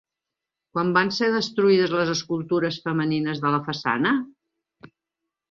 Quan van ser destruïdes les escultures femenines de la façana?